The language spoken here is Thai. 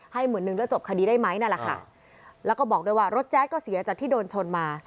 หมื่นนึงแล้วจบคดีได้ไหมนั่นแหละค่ะแล้วก็บอกด้วยว่ารถแจ๊ดก็เสียจากที่โดนชนมา